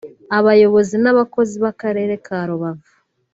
Abayobozi n’abakozi b’Akarere ka Rubavu